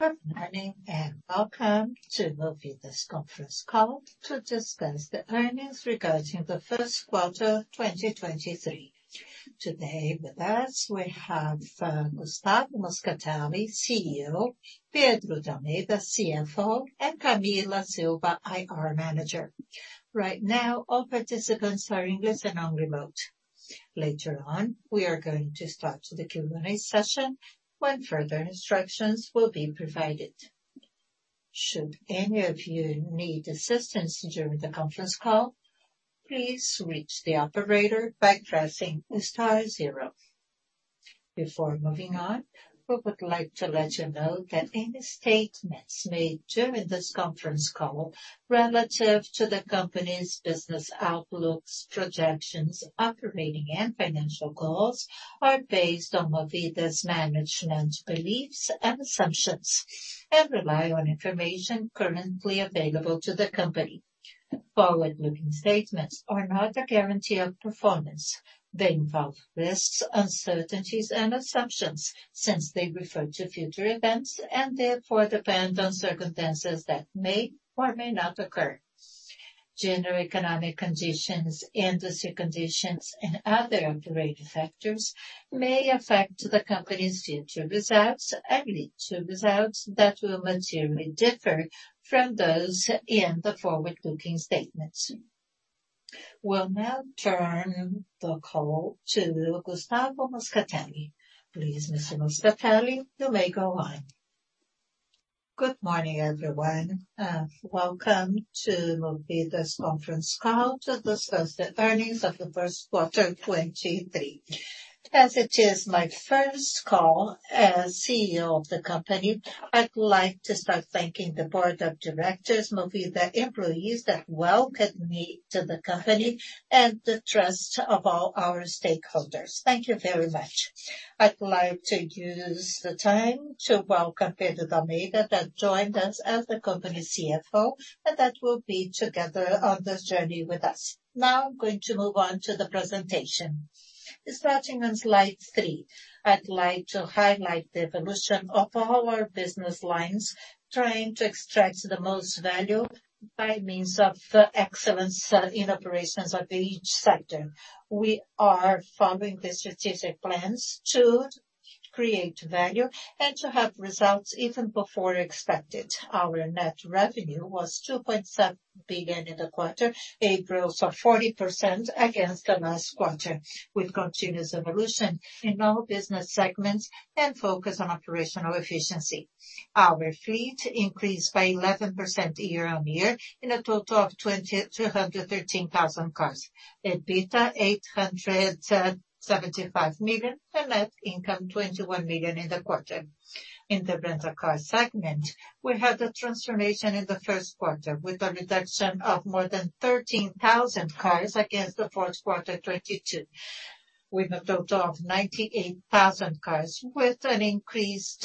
Good morning, welcome to Movida's conference call to discuss the earnings regarding the 1st quarter, 2023. Today with us we have Gustavo Moscatelli, CEO, Pedro d'Almeida, CFO, and Camila Silva, IR Manager. Right now all participants are English and on remote. Later on, we are going to start the Q&A session when further instructions will be provided. Should any of you need assistance during the conference call, please reach the operator by pressing star zero. Before moving on, we would like to let you know that any statements made during this conference call relative to the company's business outlooks, projections, operating and financial goals are based on Movida's management's beliefs and assumptions, and rely on information currently available to the company. Forward-looking statements are not a guarantee of performance. They involve risks, uncertainties and assumptions since they refer to future events and therefore depend on circumstances that may or may not occur. General economic conditions, industry conditions and other operating factors may affect the company's future results and lead to results that will materially differ from those in the forward-looking statements. We'll now turn the call to Gustavo Moscatelli. Please Mr. Moscatelli, you may go on. Good morning, everyone, welcome to Movida's conference call to discuss the earnings of the first quarter, 2023. As it is my first call as CEO of the company, I'd like to start thanking the board of directors, Movida employees that welcomed me to the company and the trust of all our stakeholders. Thank you very much. I'd like to use the time to welcome Pedro d'Almeida that joined us as the company CFO and that will be together on this journey with us. I'm going to move on to the presentation. Starting on slide 3, I'd like to highlight the evolution of all our business lines trying to extract the most value by means of excellence in operations of each sector. We are following the strategic plans to create value and to have results even before expected. Our net revenue was 2.7 billion in the quarter, a growth of 40% against the last quarter, with continuous evolution in all business segments and focus on operational efficiency. Our fleet increased by 11% year-on-year in a total of 213,000 cars. EBITDA, 875 million and net income 21 million in the quarter. In the rental car segment, we had a transformation in the first quarter with a reduction of more than 13,000 cars against the fourth quarter 2022. With a total of 98,000 cars, with an increased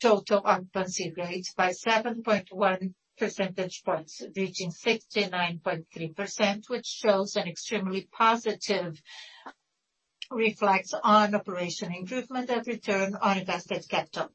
total occupancy rate by 7.1 percentage points, reaching 69.3%, which shows an extremely positive reflex on operation improvement and return on invested capital.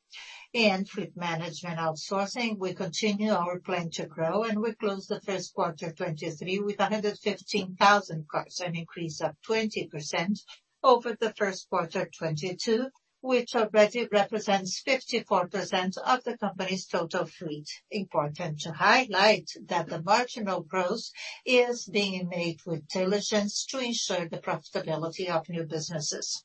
In Fleet Management and Outsourcing, we continue our plan to grow and we close the first quarter, 2023 with 115,000 cars, an increase of 20% over the first quarter, 2022, which already represents 54% of the company's total fleet. Important to highlight that the marginal growth is being made with diligence to ensure the profitability of new businesses.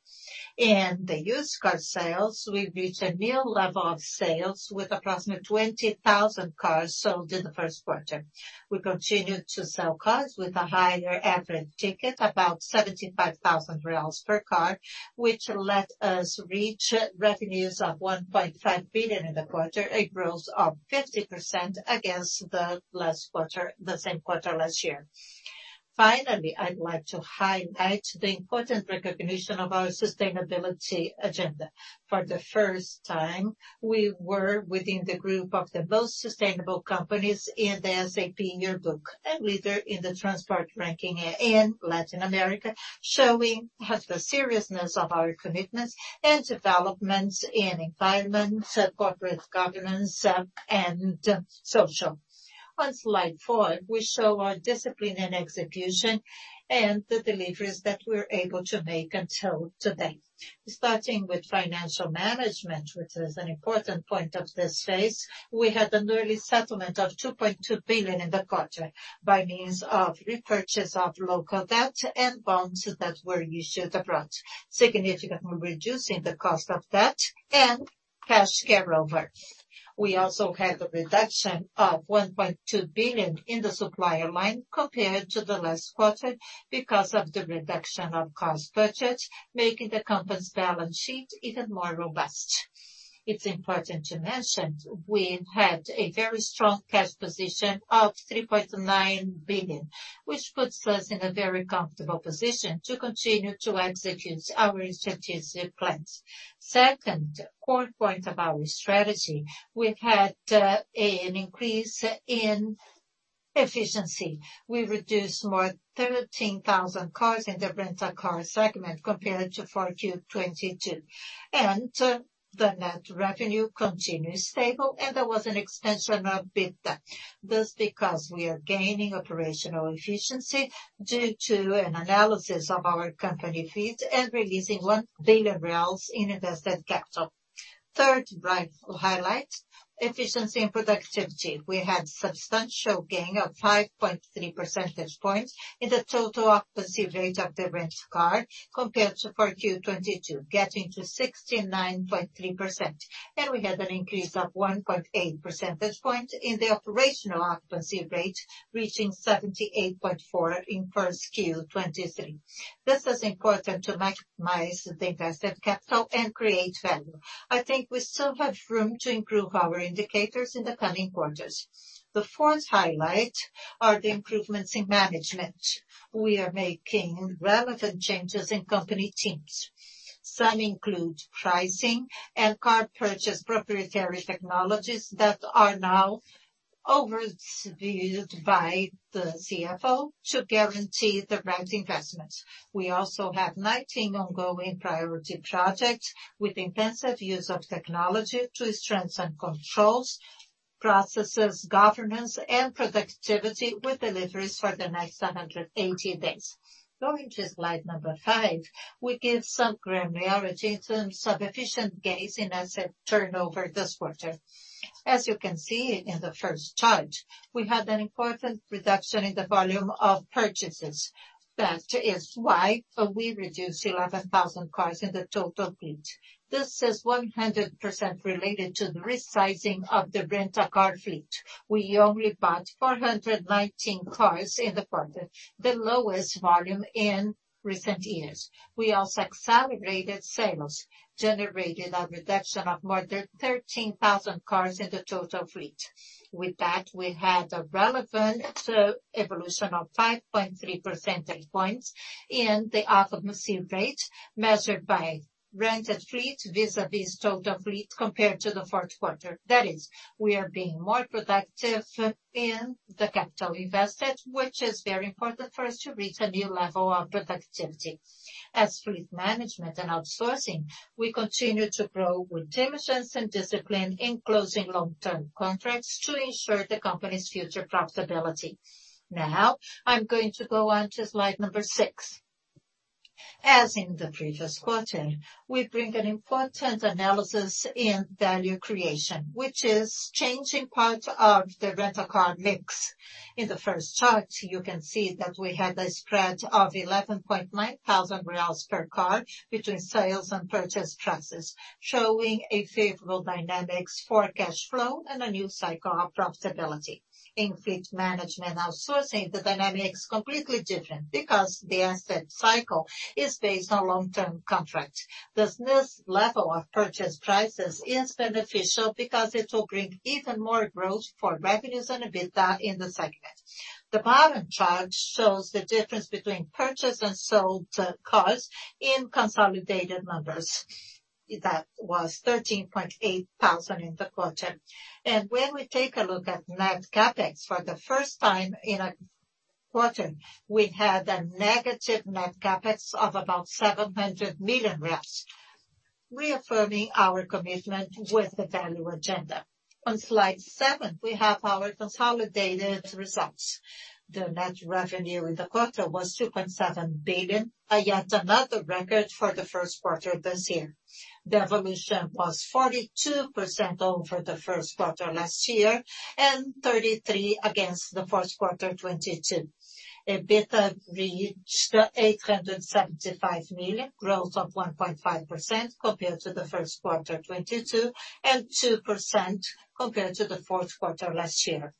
In the used car sales, we reached a new level of sales with approximate 20,000 cars sold in the first quarter. We continued to sell cars with a higher average ticket, about 75,000 reais per car, which let us reach revenues of 1.5 billion in the quarter, a growth of 50% against the same quarter last year. Finally, I'd like to highlight the important recognition of our sustainability agenda. For the first time, we were within the group of the most sustainable companies in the S&P Yearbook, a leader in the transport ranking in Latin America, showing the seriousness of our commitments and developments in environment, corporate governance, and social. On slide 4, we show our discipline and execution and the deliveries that we're able to make until today. Starting with financial management, which is an important point of this phase, we had an early settlement of 2.2 billion in the quarter by means of repurchase of local debt and bonds that were issued abroad, significantly reducing the cost of debt and cash carryover. We also had a reduction of 1.2 billion in the supplier line compared to the last quarter because of the reduction of cost budget, making the company's balance sheet even more robust. It's important to mention we had a very strong cash position of 3.9 billion, which puts us in a very comfortable position to continue to execute our strategic plans. Second core point of our strategy, we had an increase in efficiency. We reduced more than 13,000 cars in the Rent a Car segment compared to 4Q 2022. The net revenue continued stable, and there was an extension of EBITDA. This because we are gaining operational efficiency due to an analysis of our company fleet and releasing 1 billion reais in invested capital. Third bright highlight, efficiency and productivity. We had substantial gain of 5.3 percentage points in the total occupancy rate of the Rent a Car compared to 4Q 2022, getting to 69.3%. We had an increase of 1.8 percentage points in the operational occupancy rate, reaching 78.4% in 1Q 2023. This is important to maximize the invested capital and create value. I think we still have room to improve our indicators in the coming quarters. The fourth highlight are the improvements in management. We are making relevant changes in company teams. Some include pricing and car purchase proprietary technologies that are now overviewed by the CFO to guarantee the right investments. We also have 19 ongoing priority projects with intensive use of technology to strengthen controls, processes, governance, and productivity with deliveries for the next 180 days. Going to slide number 5, we give some granularity to some efficient gains in asset turnover this quarter. As you can see in the first chart, we had an important reduction in the volume of purchases. That is why we reduced 11,000 cars in the total fleet. This is 100% related to the resizing of the rental car fleet. We only bought 419 cars in the quarter, the lowest volume in recent years. We also accelerated sales, generating a reduction of more than 13,000 cars in the total fleet. With that, we had a relevant evolution of 5.3 percentage points in the occupancy rate measured by rented fleet vis-a-vis total fleet compared to the fourth quarter. That is, we are being more productive in the capital invested, which is very important for us to reach a new level of productivity. As fleet management and outsourcing, we continue to grow with diligence and discipline in closing long-term contracts to ensure the company's future profitability. I'm going to go on to slide number 6. As in the previous quarter, we bring an important analysis in value creation, which is changing part of the rental car mix. In the first chart, you can see that we had a spread of 11,900 reais per car between sales and purchase prices, showing a favorable dynamics for cash flow and a new cycle of profitability. In fleet management and outsourcing, the dynamic is completely different because the asset cycle is based on long-term contract. This new level of purchase prices is beneficial because it will bring even more growth for revenues and EBITDA in the segment. The bottom chart shows the difference between purchased and sold cars in consolidated numbers. That was 13,800 in the quarter. When we take a look at net CapEx, for the first time in a quarter, we had a negative net CapEx of about 700 million, reaffirming our commitment with the value agenda. On slide seven, we have our consolidated results. The net revenue in the quarter was 2.7 billion, yet another record for the first quarter this year. The evolution was 42% over the first quarter last year, and 33% against the fourth quarter 2022. EBITDA reached 875 million, growth of 1.5% compared to the first quarter 2022, and 2% compared to the fourth quarter last year.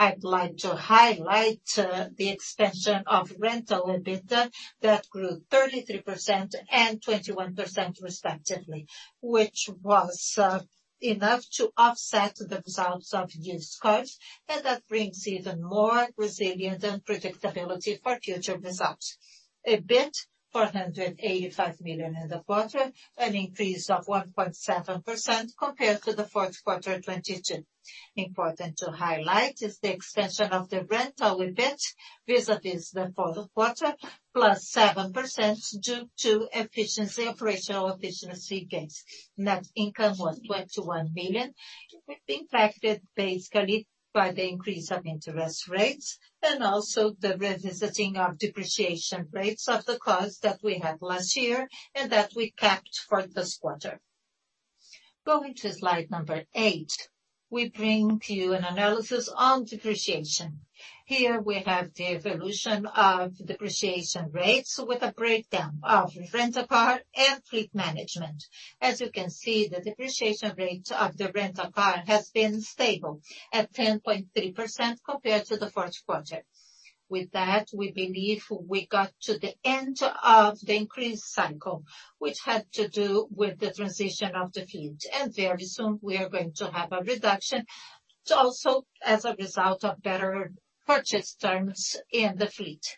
I'd like to highlight the expansion of rental EBITDA that grew 33% and 21% respectively, which was enough to offset the results of used cars, and that brings even more resilience and predictability for future results. EBIT, 485 million in the quarter, an increase of 1.7% compared to the fourth quarter 2022. Important to highlight is the expansion of the rental EBIT vis-a-vis the fourth quarter, plus 7% due to efficiency, operational efficiency gains. Net income was 21 million, impacted basically by the increase of interest rates and also the revisiting of depreciation rates of the cars that we had last year and that we kept for this quarter. Going to slide number 8, we bring to you an analysis on depreciation. Here we have the evolution of depreciation rates with a breakdown of rental car and fleet management. As you can see, the depreciation rate of the rental car has been stable at 10.3% compared to the fourth quarter. With that, we believe we got to the end of the increase cycle, which had to do with the transition of the fleet. Very soon we are going to have a reduction also as a result of better purchase terms in the fleet.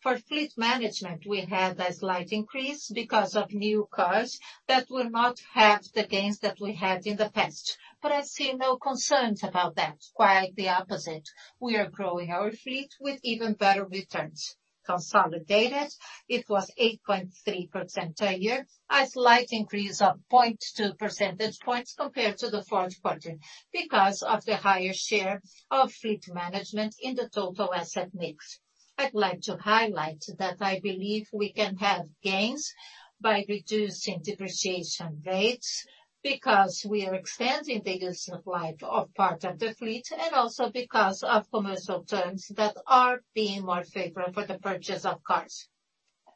For fleet management, we had a slight increase because of new cars that will not have the gains that we had in the past. I see no concerns about that. Quite the opposite. We are growing our fleet with even better returns. Consolidated, it was 8.3% a year, a slight increase of 0.2 percentage points compared to the fourth quarter because of the higher share of fleet management in the total asset mix. I'd like to highlight that I believe we can have gains by reducing depreciation rates because we are extending the useful life of part of the fleet and also because of commercial terms that are being more favorable for the purchase of cars.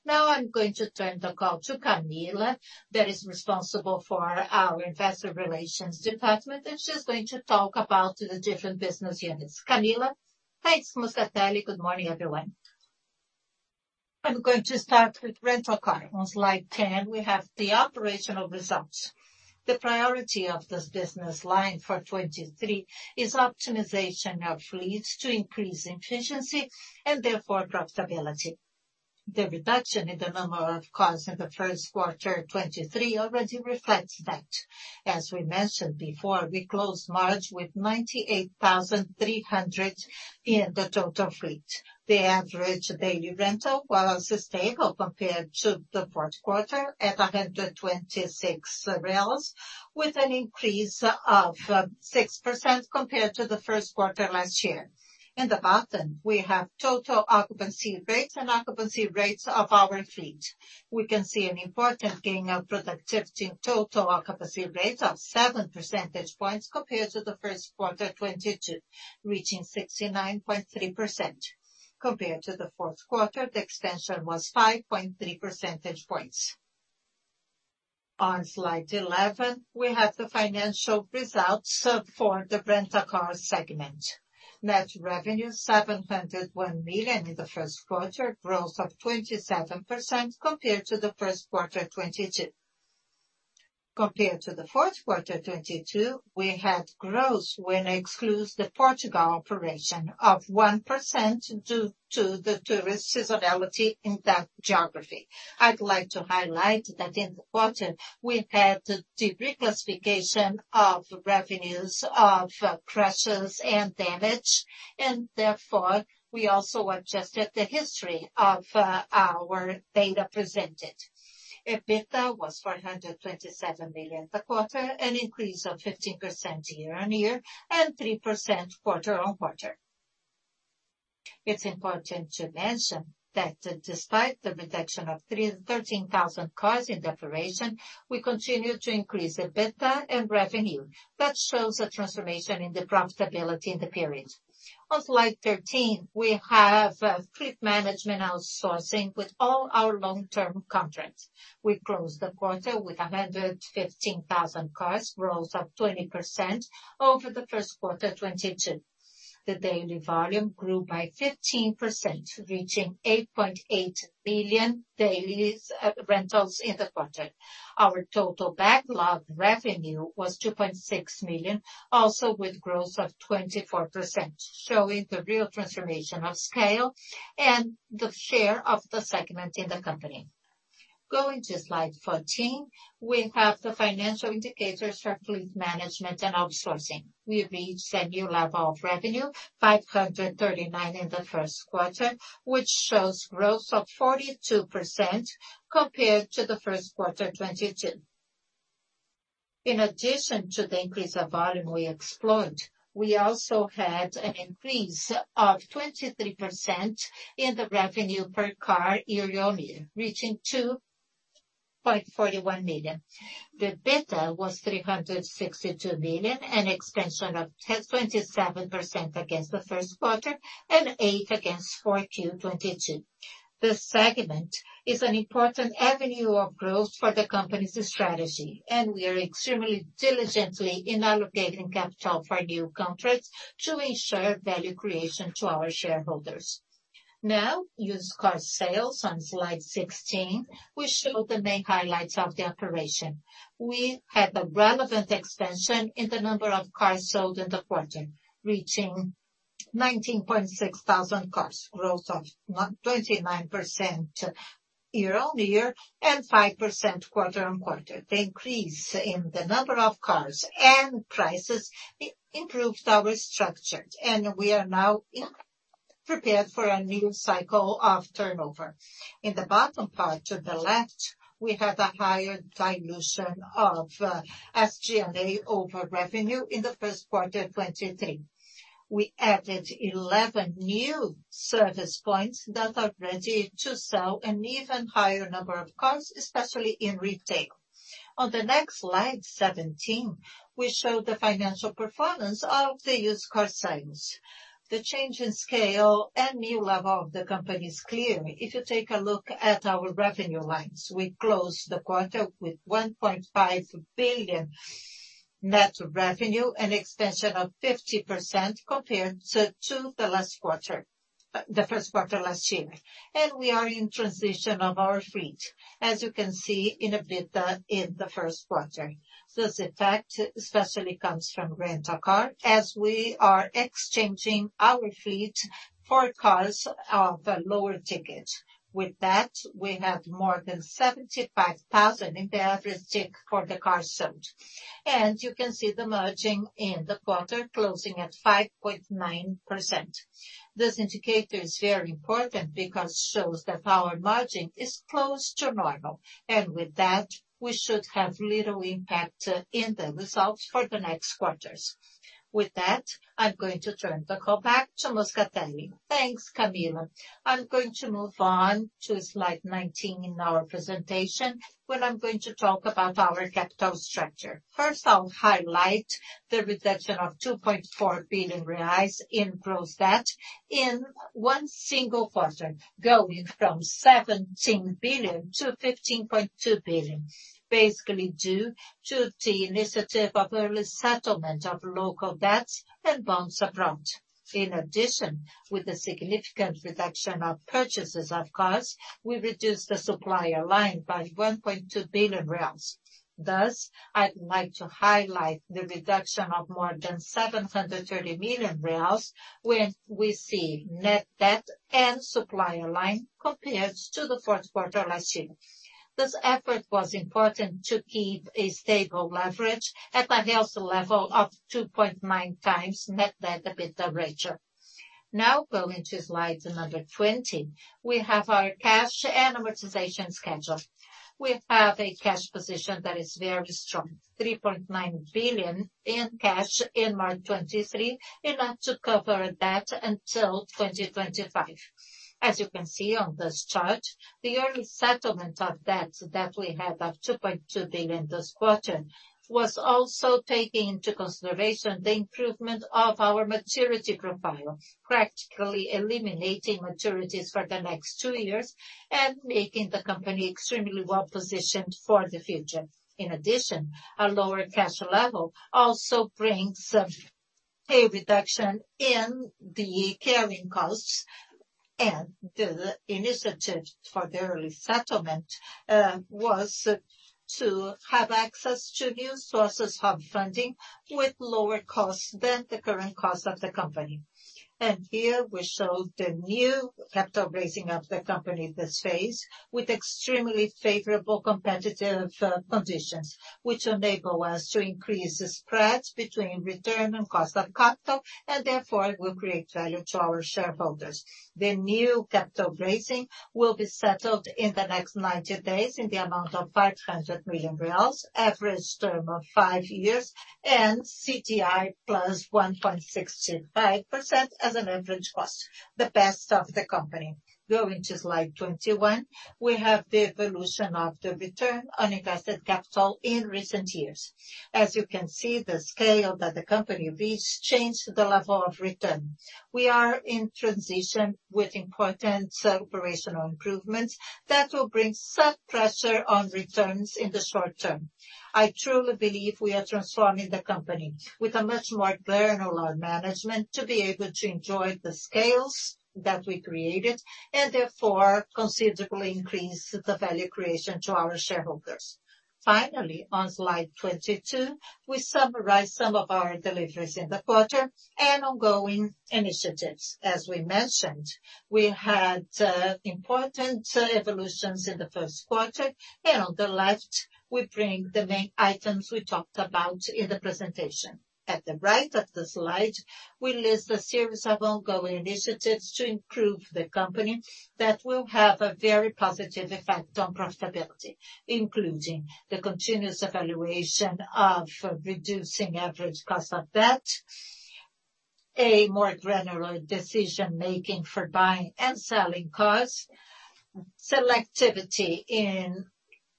I'm going to turn the call to Camila, that is responsible for our investor relations department, and she's going to talk about the different business units. Camila? Thanks, Moscatelli. Good morning, everyone. I'm going to start with rental cars. On slide 10, we have the operational results. The priority of this business line for 2023 is optimization of fleets to increase efficiency and therefore profitability. The reduction in the number of cars in the first quarter 2023 already reflects that. As we mentioned before, we closed March with 98,300 in the total fleet. The average daily rental was sustainable compared to the fourth quarter at 126, with an increase of 6% compared to the first quarter 2022. In the bottom, we have total occupancy rates and occupancy rates of our fleet. We can see an important gain of productivity in total occupancy rates of 7 percentage points compared to the first quarter 2022, reaching 69.3%. Compared to the fourth quarter, the extension was 5.3 percentage points. On slide 11, we have the financial results for the Rent a Car segment. Net revenue, 701 million in the first quarter, growth of 27% compared to the first quarter 2022. Compared to the fourth quarter 2022, we had growth when excludes the Portugal operation of 1% due to the tourist seasonality in that geography. I'd like to highlight that in the quarter we had the reclassification of revenues of crashes and damage, and therefore, we also adjusted the history of our data presented. EBITDA was 427 million a quarter, an increase of 15% year-on-year and 3% quarter-on-quarter. It's important to mention that despite the reduction of 13,000 cars in the operation, we continue to increase EBITDA and revenue. That shows a transformation in the profitability in the period. On slide 13, we have Fleet Management and Outsourcing with all our long-term contracts. We closed the quarter with 115,000 cars, growth of 20% over the first quarter 2022. The daily volume grew by 15%, reaching 8.8 million dailies, rentals in the quarter. Our total backlog revenue was 2.6 million, also with growth of 24%, showing the real transformation of scale and the share of the segment in the company. Going to slide 14, we have the financial indicators for fleet management and outsourcing. We've reached a new level of revenue, 539 in the first quarter, which shows growth of 42% compared to the first quarter 2022. In addition to the increase of volume we explored, we also had an increase of 23% in the revenue per car year-on-year, reaching 2.41 million. The EBITDA was 362 million, an expansion of 10.7% against the first quarter and 8% against 4Q 2022. The segment is an important avenue of growth for the company's strategy, and we are extremely diligently in allocating capital for new contracts to ensure value creation to our shareholders. Now, used car sales on slide 16, we show the main highlights of the operation. We had a relevant expansion in the number of cars sold in the quarter, reaching 19,600 cars, growth of 29% year-on-year and 5% quarter-on-quarter. The increase in the number of cars and prices improved our structure, and we are now prepared for a new cycle of turnover. In the bottom part to the left, we have a higher dilution of SG&A over revenue in the first quarter 2023. We added 11 new service points that are ready to sell an even higher number of cars, especially in retail. On the next slide, 17, we show the financial performance of the used car sales. The change in scale and new level of the company is clear if you take a look at our revenue lines. We closed the quarter with 1.5 billion net revenue, an extension of 50% compared to the last quarter, the first quarter last year. We are in transition of our fleet, as you can see in EBITDA in the first quarter. This effect especially comes from Rent a Car as we are exchanging our fleet for cars of a lower ticket. With that, we have more than 75,000 in the average tick for the cars sold. You can see the merging in the quarter closing at 5.9%. This indicator is very important because shows that our margin is close to normal, and with that, we should have little impact in the results for the next quarters. With that, I'm going to turn the call back to Moscatelli. Thanks, Camila. I'm going to move on to slide 19 in our presentation, where I'm going to talk about our capital structure. First, I'll highlight the reduction of 2.4 billion reais in gross debt in one single quarter, going from 17 billion to 15.2 billion, basically due to the initiative of early settlement of local debts and bonds abroad. In addition, with the significant reduction of purchases of cars, we reduced the supplier line by 1.2 billion. I'd like to highlight the reduction of more than 730 million when we see net debt and supplier line compared to the fourth quarter last year. This effort was important to keep a stable leverage at a healthy level of 2.9x net debt EBITDA ratio. Going to slide number 20, we have our cash and amortization schedule. We have a cash position that is very strong, 3.9 billion in cash in March 2023, enough to cover that until 2025. As you can see on this chart, the early settlement of debt that we had of BRL 2.2 billion this quarter was also taking into consideration the improvement of our maturity profile, practically eliminating maturities for the next 2 years and making the company extremely well-positioned for the future. In addition, a lower cash level also brings a reduction in the carrying costs, and the initiative for the early settlement was to have access to new sources of funding with lower costs than the current cost of the company. Here we show the new capital raising of the company this phase with extremely favorable competitive conditions, which enable us to increase the spreads between return and cost of capital and therefore will create value to our shareholders. The new capital raising will be settled in the next 90 days in the amount of 500 million reais, average term of 5 years and CDI plus 1.65% as an average cost, the best of the company. Going to slide 21, we have the evolution of the return on invested capital in recent years. As you can see, the scale that the company reached changed the level of return. We are in transition with important operational improvements that will bring some pressure on returns in the short term. I truly believe we are transforming the company with a much more granular management to be able to enjoy the scales that we created and therefore considerably increase the value creation to our shareholders. On slide 22, we summarize some of our deliveries in the quarter and ongoing initiatives. As we mentioned, we had important evolutions in the first quarter. On the left, we bring the main items we talked about in the presentation. At the right of the slide, we list a series of ongoing initiatives to improve the company that will have a very positive effect on profitability, including the continuous evaluation of reducing average cost of debt, a more granular decision-making for buying and selling cars, selectivity in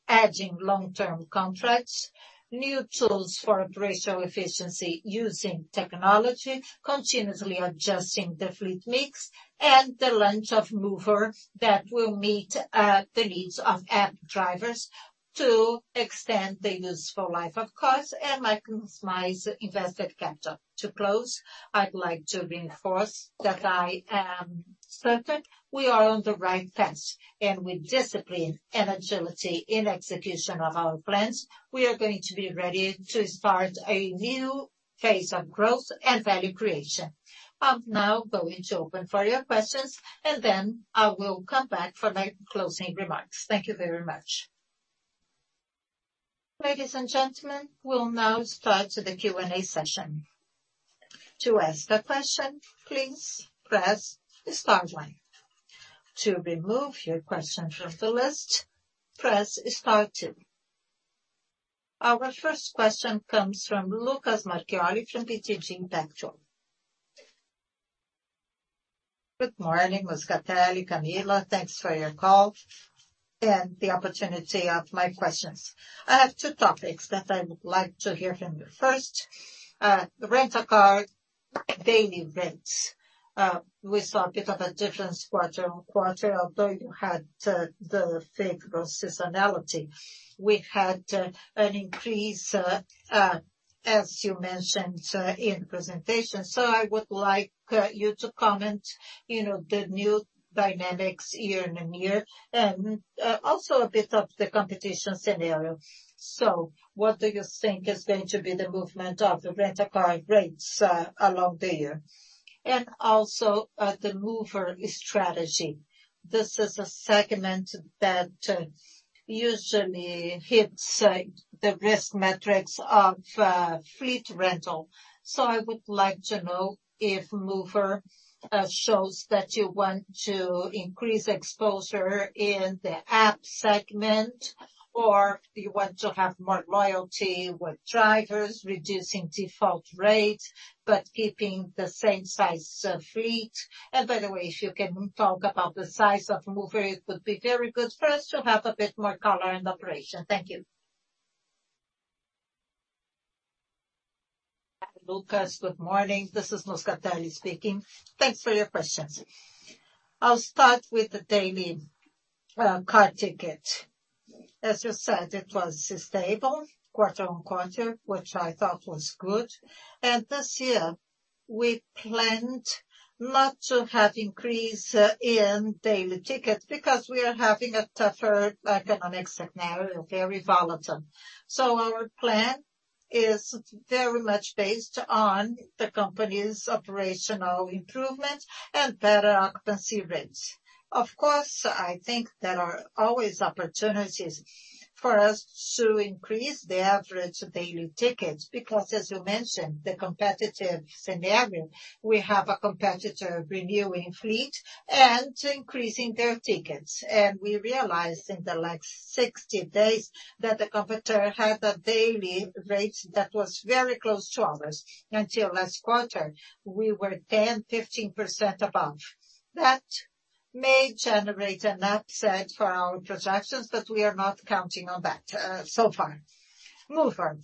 adding long-term contracts, new tools for operational efficiency using technology, continuously adjusting the fleet mix, and the launch of Moover that will meet the needs of app drivers to extend the useful life of cars and maximize invested capital. To close, I'd like to reinforce that I am certain we are on the right path. With discipline and agility in execution of our plans, we are going to be ready to start a new phase of growth and value creation. I'm now going to open for your questions, and then I will come back for my closing remarks. Thank you very much. Ladies and gentlemen, we'll now start the Q&A session. To ask a question, please press star one. To remove your question from the list, press star two. Our first question comes from Lucas Marquiori from BTG Pactual. Good morning, Moscatelli, Camila. Thanks for your call and the opportunity of my questions. I have two topics that I would like to hear from you. First, the Rent a Car Daily rates, we saw a bit of a difference quarter-on-quarter, although you had the typical seasonality. We had an increase as you mentioned in presentation. I would like you to comment, you know, the new dynamics year-on-year and also a bit of the competition scenario. What do you think is going to be the movement of the Rent a Car rates along the year? Also the Moover strategy. This is a segment that usually hits the risk metrics of fleet rental. I would like to know if Moover shows that you want to increase exposure in the app segment, or you want to have more loyalty with drivers, reducing default rate but keeping the same size of fleet. By the way, if you can talk about the size of Moover, it would be very good for us to have a bit more color in the operation. Thank you. Lucas, good morning. This is Moscatelli speaking. Thanks for your questions. I'll start with the daily car ticket. As you said, it was stable quarter-on-quarter, which I thought was good. This year we planned not to have increase in daily tickets because we are having a tougher economic scenario, very volatile. Our plan is very much based on the company's operational improvement and better occupancy rates. Of course, I think there are always opportunities for us to increase the average daily tickets because as you mentioned, the competitive scenario, we have a competitor renewing fleet and increasing their tickets. We realized in the last 60 days that the competitor had a daily rate that was very close to ours. Until last quarter we were 10%-15% above. That may generate an upset for our projections, but we are not counting on that so far. Moover.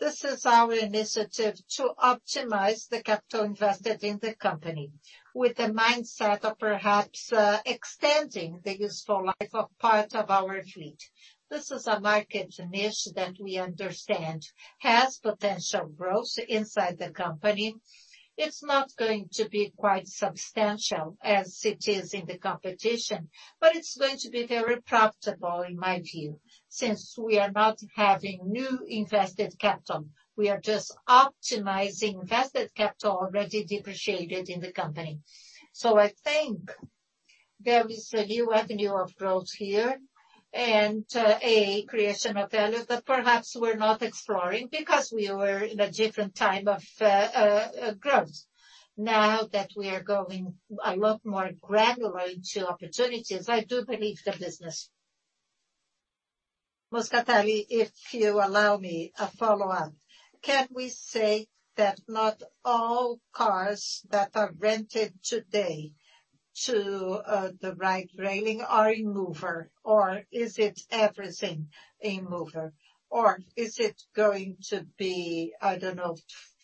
This is our initiative to optimize the capital invested in the company with the mindset of perhaps extending the useful life of part of our fleet. This is a market niche that we understand has potential growth inside the company. It's not going to be quite substantial as it is in the competition, but it's going to be very profitable in my view, since we are not having new invested capital. We are just optimizing invested capital already depreciated in the company. I think there is a new avenue of growth here and a creation of value that perhaps we're not exploring because we were in a different time of growth. Now that we are going a lot more granular into opportunities, I do believe the business. Moscatelli, if you allow me a follow-up, can we say that not all cars that are rented today to the ride hailing are in Moover or is it everything in Moover or is it going to be, I don't know,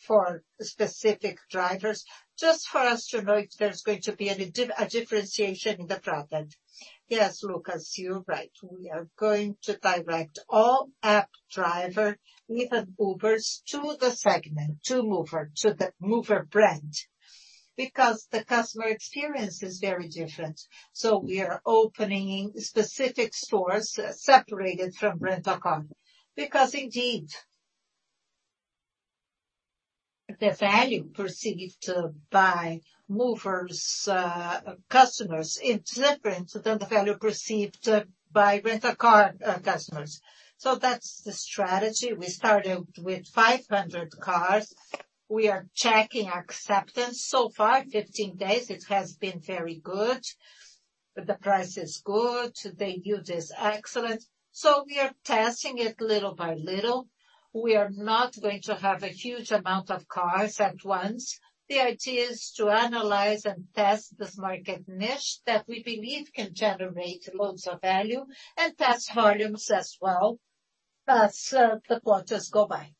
for specific drivers? Just for us to know if there's going to be any differentiation in the product. Yes, Lucas, you're right. We are going to direct all app driver with Uber to the segment, to Moover, to the Moover brand because the customer experience is very different. We are opening specific stores separated from Rent a Car because indeed the value perceived by Moover customers is different than the value perceived by Rent a Car customers. That's the strategy. We started with 500 cars. We are checking acceptance. So far, 15 days it has been very good. The price is good. The view is excellent. We are testing it little by little. We are not going to have a huge amount of cars at once. The idea is to analyze and test this market niche that we believe can generate loads of value and test volumes as well as the quarters go by.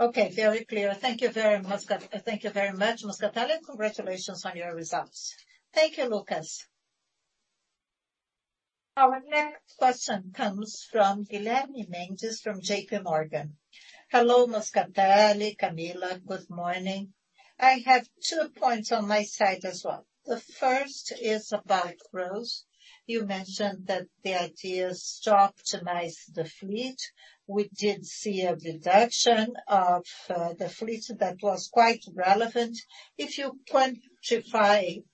Okay, very clear. Thank you very much, Moscatelli, and congratulations on your results. Thank you, Lucas. Our next question comes from Guilherme Mendes, from JPMorgan. Hello, Moscatelli, Camila. Good morning. I have 2 points on my side as well. The first is about growth. You mentioned that the idea is to optimize the fleet. We did see a reduction of the fleet that was quite relevant. If you quantify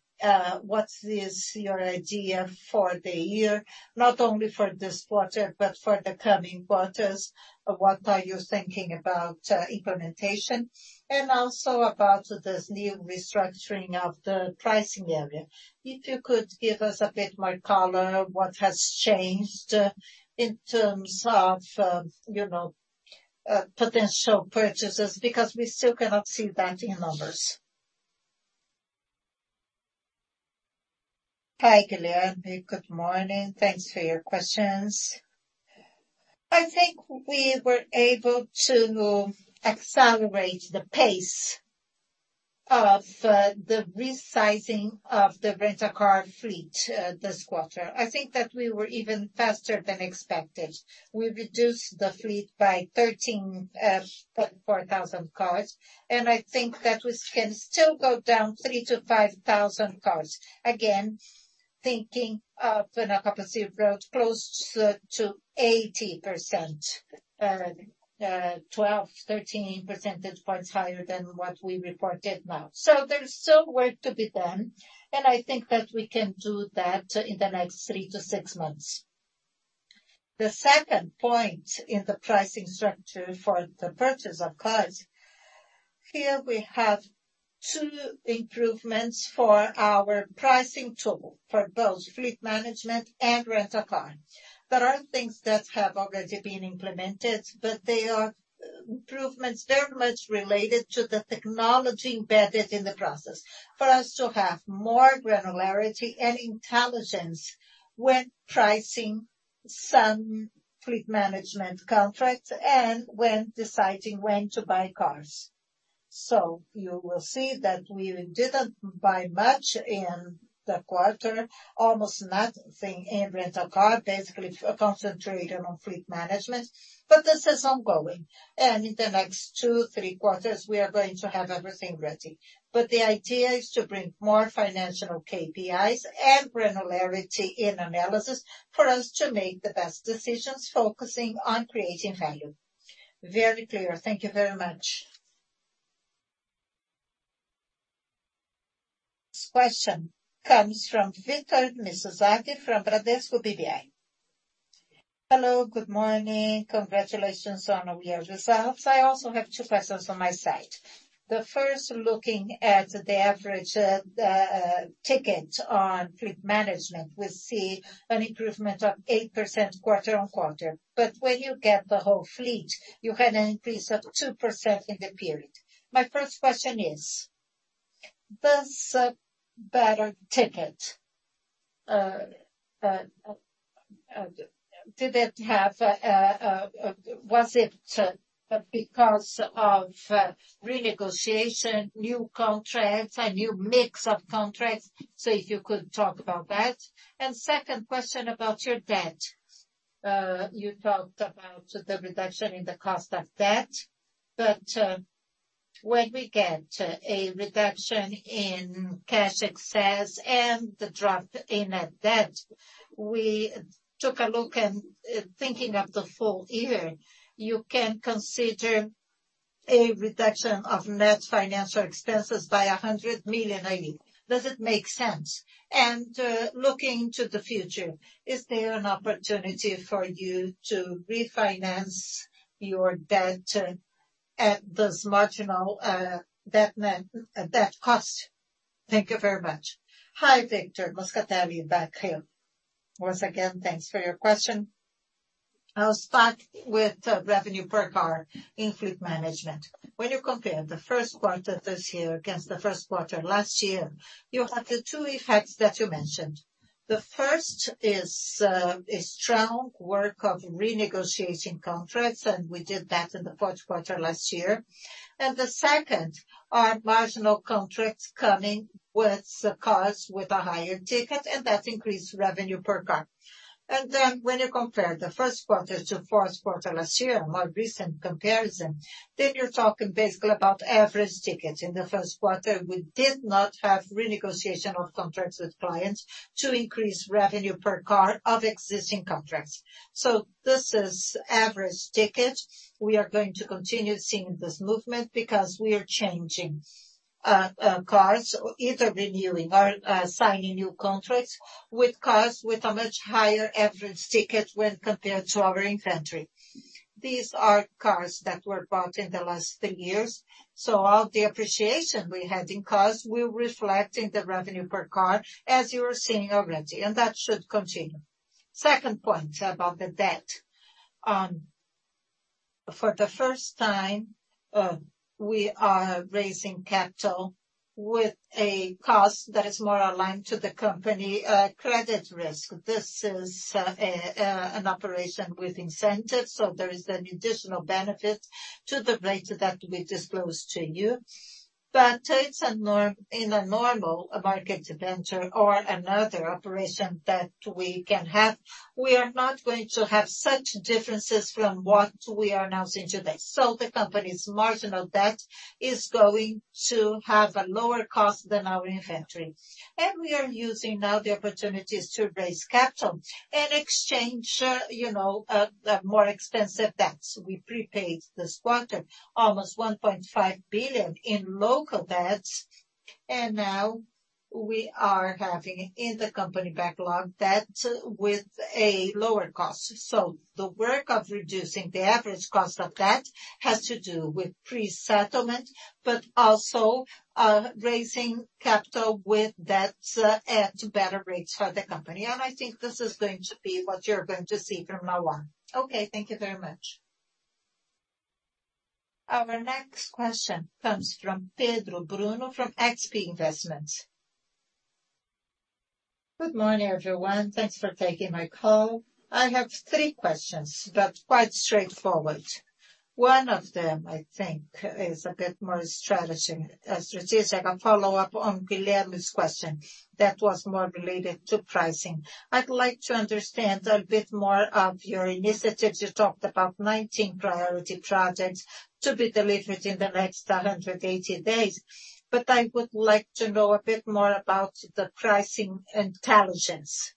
what is your idea for the year, not only for this quarter but for the coming quarters, what are you thinking about implementation? Also about this new restructuring of the pricing area. If you could give us a bit more color, what has changed in terms of, you know, potential purchases because we still cannot see that in numbers. Hi, Guilherme. Good morning. Thanks for your questions. I think we were able to accelerate the pace of the resizing of the Rent a Car fleet this quarter. I think that we were even faster than expected. We reduced the fleet by 13,400 cars. I think that we can still go down 3,000-5,000 cars. Again, thinking of an occupancy rate close to 80%, 12-13 percentage points higher than what we reported now. There's still work to be done. I think that we can do that in the next three to six months. The second point in the pricing structure for the purchase of cars, here we have two improvements for our pricing tool for both fleet management and Rent a Car. There are things that have already been implemented, they are improvements. They're much related to the technology embedded in the process for us to have more granularity and intelligence when pricing some fleet management contracts and when deciding when to buy cars. You will see that we didn't buy much in the quarter, almost nothing in Rent a Car, basically concentrating on fleet management, but this is ongoing. In the next two to three quarters, we are going to have everything ready. The idea is to bring more financial KPIs and granularity in analysis for us to make the best decisions focusing on creating value. Very clear. Thank you very much. Next question comes from Victor Mizusaki from Bradesco BBI. Hello, good morning. Congratulations on all your results. I also have 2 questions on my side. The first, looking at the average ticket on fleet management, we see an improvement of 8% quarter-on-quarter. When you get the whole fleet, you had an increase of 2% in the period. My first question is, does a better ticket, did it have, was it because of renegotiation, new contracts, a new mix of contracts? If you could talk about that. Second question about your debt. You talked about the reduction in the cost of debt, but when we get a reduction in cash excess and the drop in net debt, we took a look and, thinking of the full year, you can consider a reduction of net financial expenses by 100 million. Does it make sense? Looking to the future, is there an opportunity for you to refinance your debt at this marginal debt net debt cost? Thank you very much. Hi, Victor. Moscatelli back here. Once again, thanks for your question. I'll start with revenue per car in fleet management. When you compare the first quarter this year against the first quarter last year, you have the two effects that you mentioned. The first is strong work of renegotiating contracts. We did that in the fourth quarter last year. The second are marginal contracts coming with cars with a higher ticket. That increased revenue per car. When you compare the first quarter to fourth quarter last year, a more recent comparison, you're talking basically about average ticket. In the first quarter, we did not have renegotiation of contracts with clients to increase revenue per car of existing contracts. This is average ticket. We are going to continue seeing this movement because we are changing cars, either renewing or signing new contracts with cars with a much higher average ticket when compared to our inventory. These are cars that were bought in the last three years, so all the appreciation we had in cars will reflect in the revenue per car as you are seeing already. That should continue. Second point about the debt. For the first time, we are raising capital with a cost that is more aligned to the company credit risk. This is an operation with incentives, so there is an additional benefit to the rates that we disclose to you. It's in a normal market venture or another operation that we can have, we are not going to have such differences from what we are announcing today. The company's marginal debt is going to have a lower cost than our inventory. We are using now the opportunities to raise capital and exchange, you know, the more expensive debts. We prepaid this quarter almost 1.5 billion in local debts. Now we are having in the company backlog debt with a lower cost. The work of reducing the average cost of debt has to do with pre-settlement, but also raising capital with debts at better rates for the company. I think this is going to be what you're going to see from now on. Okay, thank you very much. Our next question comes from Pedro Bruno from XP Investimentos. Good morning, everyone. Thanks for taking my call. I have three questions, but quite straightforward. One of them, I think, is a bit more strategic. A follow-up on Guilherme's question that was more related to pricing. I'd like to understand a bit more of your initiatives. You talked about 19 priority projects to be delivered in the next 180 days. I would like to know a bit more about the pricing intelligence.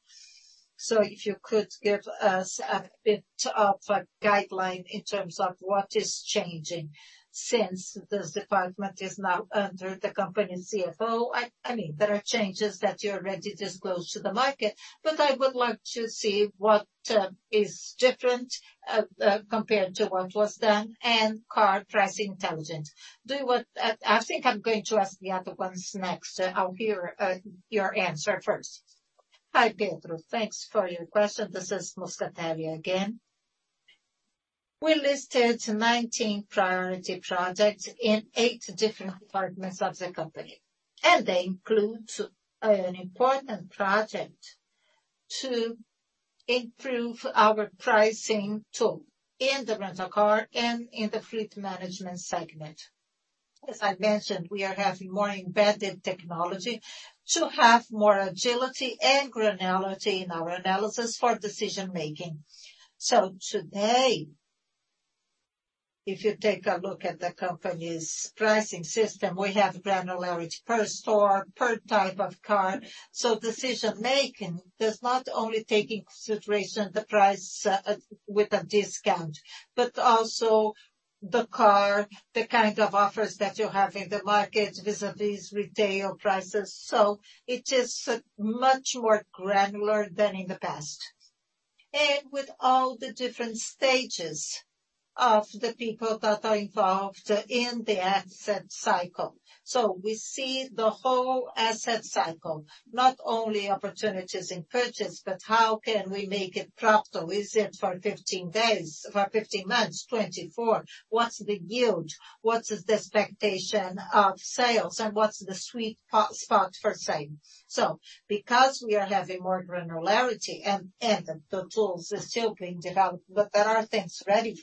If you could give us a bit of a guideline in terms of what is changing since this department is now under the company CFO. I mean, there are changes that you already disclosed to the market. I would like to see what is different compared to what was done and car price intelligence. I think I'm going to ask the other ones next. I'll hear your answer first. Hi, Pedro. Thanks for your question. This is Moscatelli again. We listed 19 priority projects in eight different departments of the company. They include an important project to improve our pricing tool in the rental car and in the fleet management segment. As I mentioned, we are having more embedded technology to have more agility and granularity in our analysis for decision-making. Today, if you take a look at the company's pricing system, we have granularity per store, per type of car. Decision-making is not only taking consideration the price with a discount, but also the car, the kind of offers that you have in the market vis-à-vis retail prices. It is much more granular than in the past. With all the different stages of the people that are involved in the asset cycle. We see the whole asset cycle, not only opportunities in purchase, but how can we make it profitable. Is it for 15 days, for 15 months, 24? What's the yield? What is the expectation of sales, and what's the sweet spot for sale? Because we are having more granularity and the tools are still being developed, but there are things ready,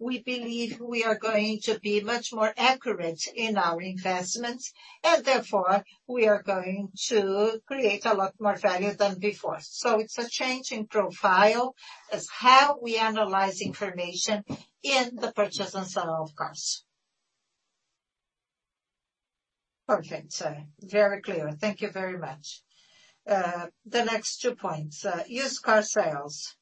we believe we are going to be much more accurate in our investments, and therefore we are going to create a lot more value than before. It's a change in profile. It's how we analyze information in the purchase and sale of cars. Perfect. Very clear. Thank you very much. The next two points. Used car sales.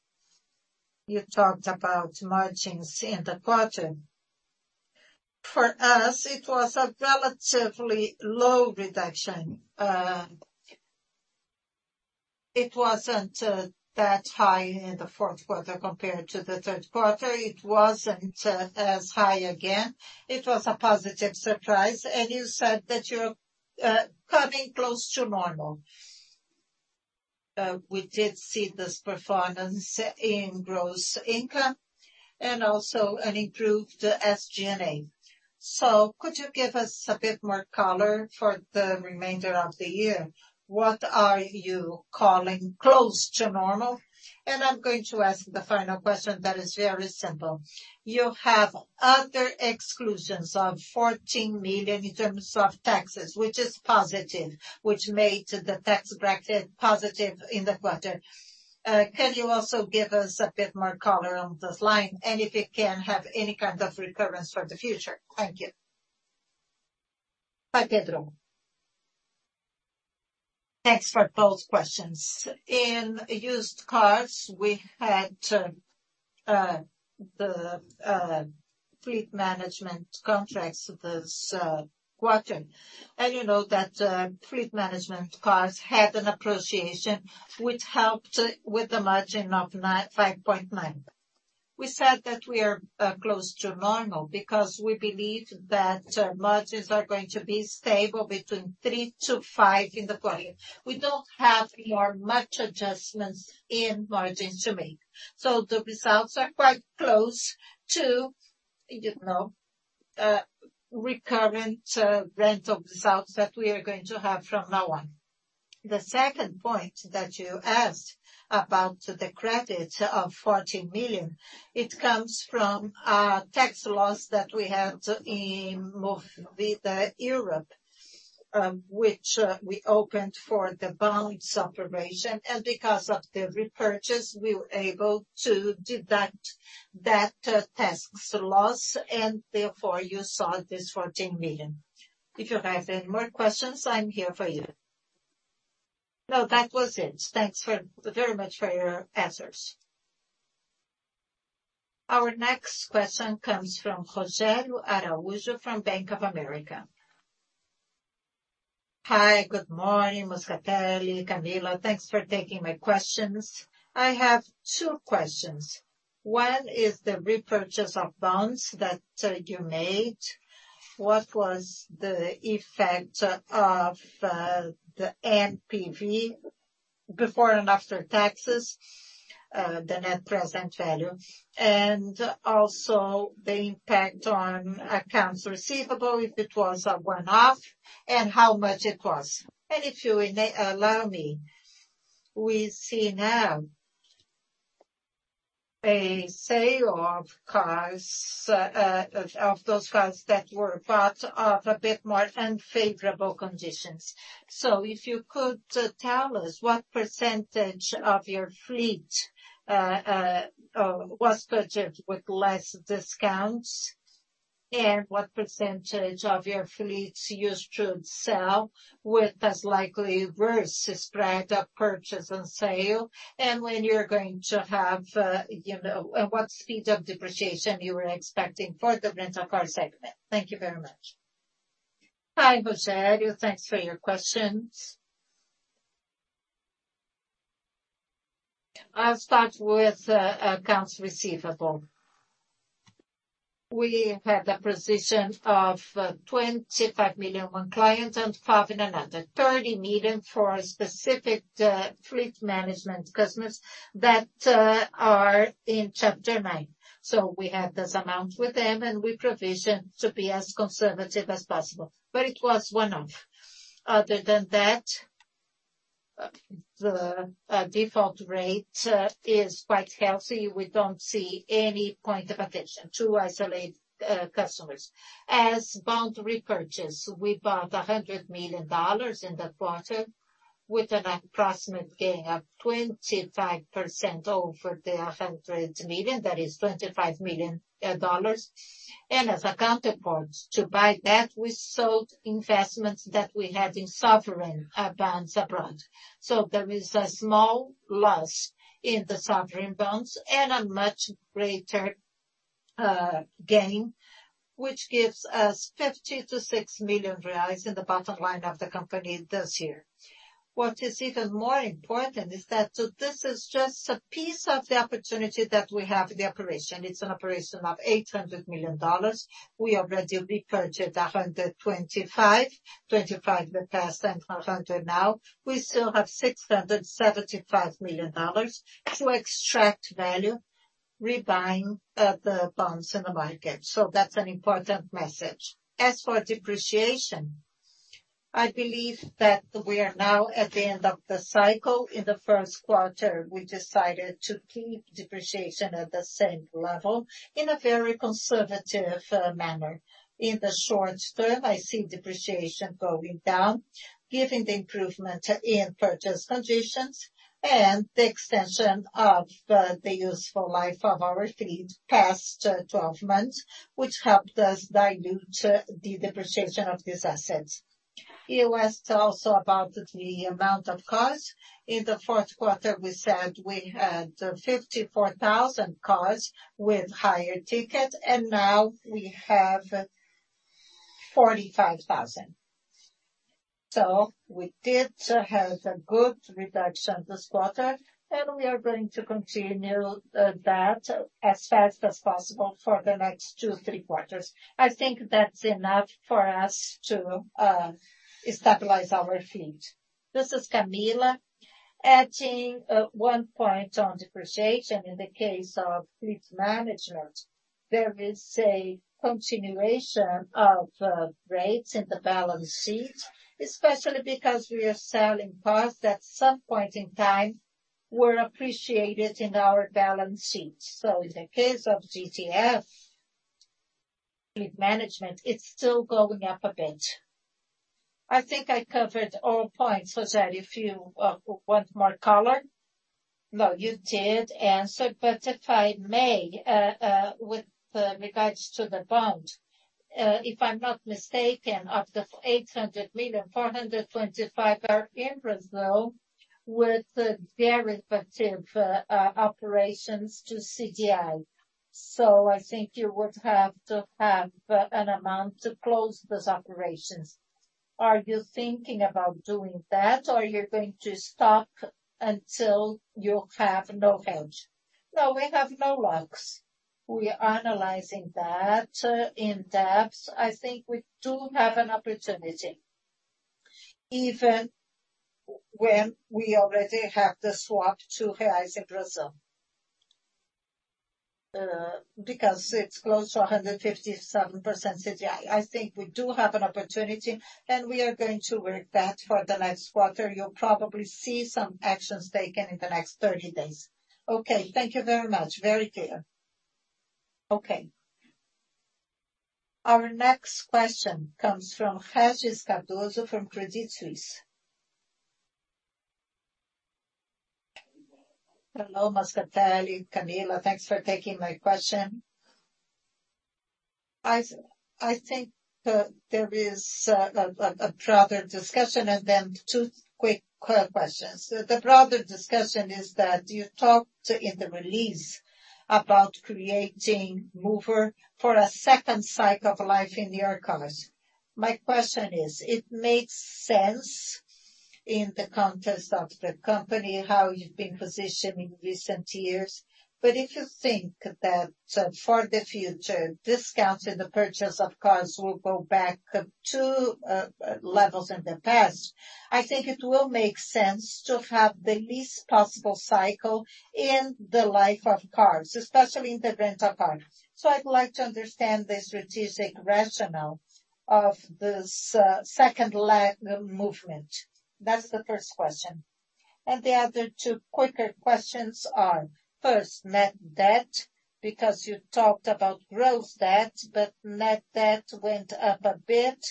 You talked about margins in the quarter. For us, it was a relatively low reduction. It wasn't that high in the fourth quarter compared to the third quarter. It wasn't as high again. It was a positive surprise. You said that you're coming close to normal. We did see this performance in gross income and also an improved SG&A. Could you give us a bit more color for the remainder of the year? What are you calling close to normal? I'm going to ask the final question that is very simple. You have other exclusions of 14 million in terms of taxes, which is positive, which made the tax bracket positive in the quarter. Can you also give us a bit more color on this line, and if it can have any kind of recurrence for the future? Thank you. Bye, Pedro. Thanks for both questions. In used cars, we had the fleet management contracts this quarter. You know that fleet management cars had an appreciation which helped with the margin of 5.9%. We said that we are close to normal because we believe that margins are going to be stable between 3%-5% in the quarter. We don't have much adjustments in margins to make. The results are quite close to, you know, recurrent rental results that we are going to have from now on. The second point that you asked about the credit of 14 million, it comes from a tax loss that we had in Movida Europe, which we opened for the bonds operation. Because of the repurchase, we were able to deduct that tax loss and therefore you saw this 14 million. If you have any more questions, I'm here for you. No, that was it. Thanks very much for your answers. Our next question comes from Rogério Araújo from Bank of America. Hi, good morning, Moscatelli, Camila. Thanks for taking my questions. I have 2 questions. One is the repurchase of bonds that you made. What was the effect of the NPV before and after taxes, the net present value, and also the impact on accounts receivable, if it was a one-off, and how much it was. If you allow me, we see now a sale of cars of those cars that were bought of a bit more unfavorable conditions. If you could tell us what percentage of your fleet was purchased with less discounts, and what percentage of your fleets you should sell with as likely worse spread of purchase and sale, and when you're going to have, you know. What speed of depreciation you are expecting for the rental car segment. Thank you very much. Hi, Rogério. Thanks for your questions. I'll start with accounts receivable. We have the precision of, uh, 25 million one client and 5 million in another. 30 million for specific, uh, fleet management customers that, uh, are in Chapter 9. So we have this amount with them, and we provision to be as conservative as possible, but it was one-off. Other than that, uh, the, uh, default rate, uh, is quite healthy. We don't see any point of attention to isolate, uh, customers. As bond repurchase, we bought $100 million in the quarter with an approximate gain of 25% over the hundred million, that is $25 million. And as a counterpart to buy that, we sold investments that we had in sovereign, uh, bonds abroad. There is a small loss in the sovereign bonds and a much greater gain, which gives us 50 million-60 million reais in the bottom line of the company this year. What is even more important is that this is just a piece of the opportunity that we have in the operation. It's an operation of $800 million. We already repurchased $125 million, $25 million in the past and $100 million now. We still have $675 million to extract value, rebuying the bonds in the market. That's an important message. As for depreciation, I believe that we are now at the end of the cycle. In the first quarter, we decided to keep depreciation at the same level in a very conservative manner. In the short term, I see depreciation going down, given the improvement in purchase conditions and the extension of the useful life of our fleet past 12 months, which helped us dilute the depreciation of these assets. You asked also about the amount of cars. In the fourth quarter, we said we had 54,000 cars with higher ticket, and now we have 45,000. We did have a good reduction this quarter, and we are going to continue that as fast as possible for the next 2, 3 quarters. I think that's enough for us to stabilize our fleet. This is Camila. Adding 1 point on depreciation. In the case of fleet management, there is a continuation of rates in the balance sheet, especially because we are selling cars that at some point in time were appreciated in our balance sheet. In the case of GTF fleet management, it's still going up a bit. I think I covered all points, Rosario, if you want more color. You did answer. If I may, with regards to the bond, if I'm not mistaken, of the 800 million, 425 million are in Brazil with the derivative operations to CDI. I think you would have to have an amount to close those operations. Are you thinking about doing that, or you're going to stop until you have no hedge? We have no rush. We are analyzing that in depth. I think we do have an opportunity, even when we already have the swap to reais in Brazil. Because it's close to 150 some % CDI. I think we do have an opportunity. We are going to work that for the next quarter. You'll probably see some actions taken in the next 30 days. Okay. Thank you very much. Very clear. Okay. Our next question comes from Regis Cardoso from Credit Suisse. Hello, Moscatelli, Camila. Thanks for taking my question. I think there is a broader discussion and then two quick questions. The broader discussion is that you talked in the release about creating Moover for a second cycle of life in the cars. My question is, it makes sense. In the context of the company, how you've been positioned in recent years. If you think that for the future, discounts in the purchase of cars will go back up to levels in the past, I think it will make sense to have the least possible cycle in the life of cars, especially in the rental car. I'd like to understand the strategic rationale of this second lag movement. That's the first question. The other two quicker questions are: first, net debt, because you talked about growth debt, but net debt went up a bit.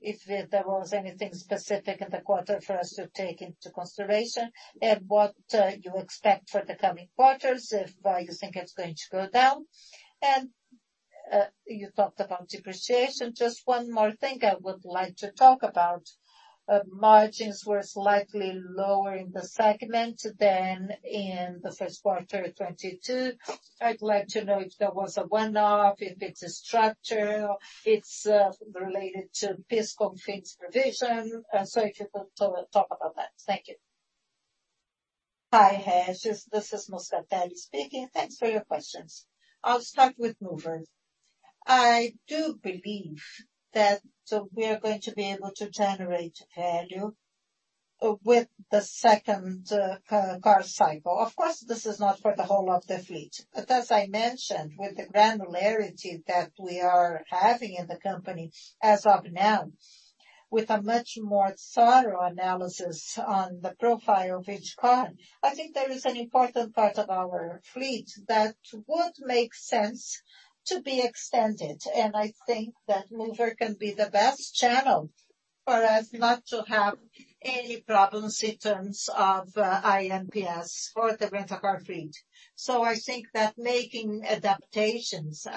If there was anything specific in the quarter for us to take into consideration, and what you expect for the coming quarters, if you think it's going to go down. You talked about depreciation. Just one more thing I would like to talk about. Margins were slightly lower in the segment than in the 1st quarter of 2022. I'd like to know if there was a one-off, if it's a structure, or it's related to PIS/COFINS provision. If you could talk about that. Thank you. Hi, Regis. This is Moscatelli speaking. Thanks for your questions. I'll start with Moover. I do believe that we are going to be able to generate value with the second car cycle. Of course, this is not for the whole of the fleet. As I mentioned, with the granularity that we are having in the company as of now, with a much more thorough analysis on the profile of each car, I think there is an important part of our fleet that would make sense to be extended. I think that Moover can be the best channel for us not to have any problems in terms of IMPS for the rental car fleet. I think that making adaptations,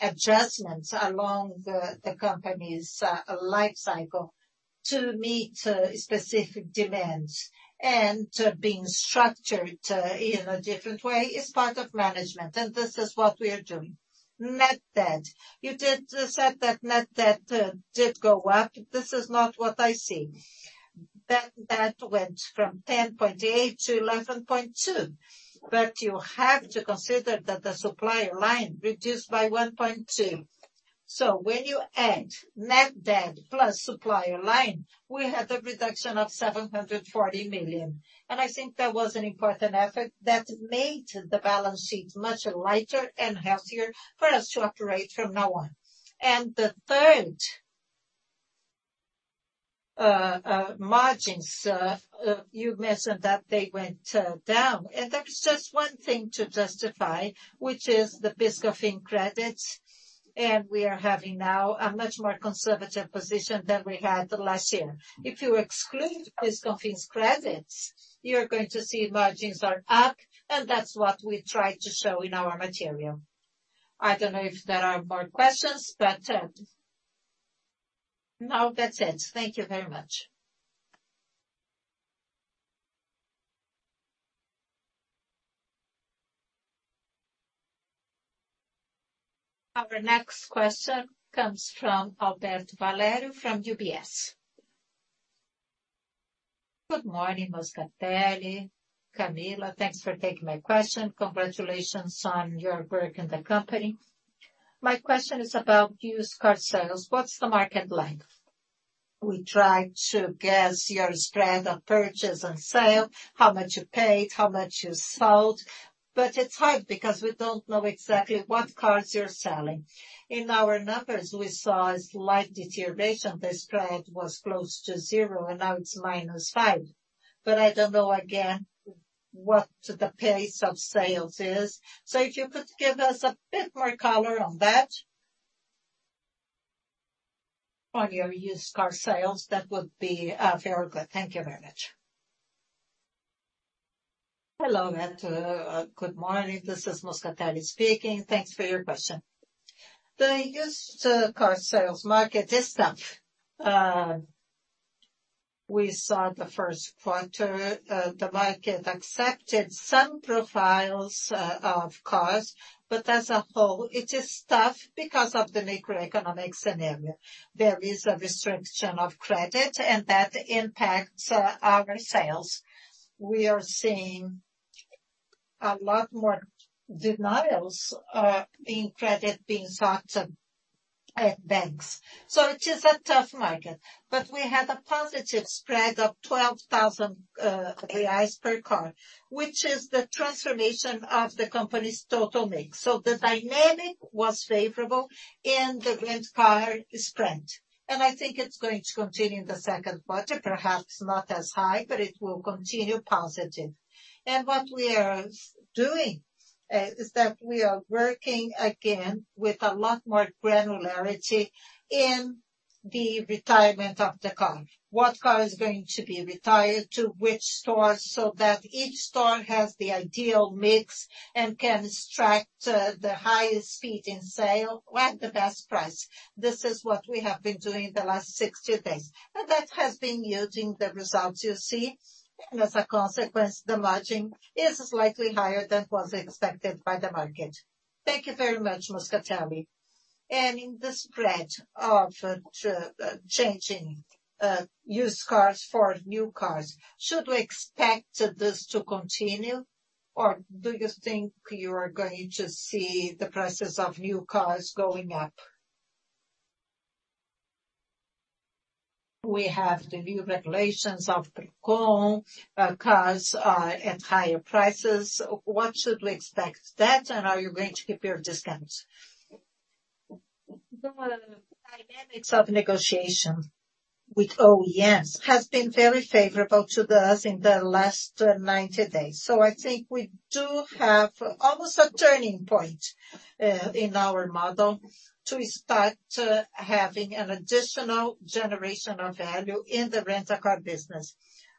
adjustments along the company's life cycle to meet specific demands and to being structured in a different way is part of management, and this is what we are doing. Net debt. You did say that net debt did go up. This is not what I see. Net debt went from 10.8 billion-11.2 billion. You have to consider that the supplier line reduced by 1.2 billion. When you add net debt plus supplier line, we had a reduction of 740 million. I think that was an important effort that made the balance sheet much lighter and healthier for us to operate from now on. The third, margins, you mentioned that they went down. There's just one thing to justify, which is the PIS/COFINS credits. We are having now a much more conservative position than we had last year. If you exclude PIS/COFINS credits, you're going to see margins are up, and that's what we try to show in our material. I don't know if there are more questions, but no, that's it. Thank you very much. Our next question comes from Alberto Valerio from UBS. Good morning, Moscatelli, Camila. Thanks for taking my question. Congratulations on your work in the company. My question is about used car sales. What's the market like? We try to guess your spread of purchase and sale, how much you paid, how much you sold. It's hard because we don't know exactly what cars you're selling. In our numbers, we saw a slight deterioration. The spread was close to 0, and now it's -5%. I don't know, again, what the pace of sales is. If you could give us a bit more color on that, on your used car sales, that would be very good. Thank you very much. Hello, good morning. This is Moscatelli speaking. Thanks for your question. The used car sales market is tough. We saw the first quarter, the market accepted some profiles of course, but as a whole, it is tough because of the macroeconomic scenario. There is a restriction of credit and that impacts our sales. We are seeing a lot more denials in credit being sought at banks. It is a tough market, but we had a positive spread of 1BRL 12,000 AIs per car, which is the transformation of the company's total mix. The dynamic was favorable and the Rent a Car is spread. I think it's going to continue in the second quarter, perhaps not as high, but it will continue positive. What we are doing is that we are working again with a lot more granularity in the retirement of the car. What car is going to be retired to which store so that each store has the ideal mix and can extract the highest speed in sale at the best price. This is what we have been doing the last 60 days. That has been yielding the results you see. As a consequence, the margin is slightly higher than was expected by the market. Thank you very much, Moscatelli. In the spread of changing used cars for new cars, should we expect this to continue or do you think you are going to see the prices of new cars going up? We have the new regulations of PROCON, cars are at higher prices. What should we expect that and are you going to keep your discounts? The dynamics of negotiation with OEMs has been very favorable to us in the last 90 days. I think we do have almost a turning point in our model to start having an additional generation of value in the Rent a Car business.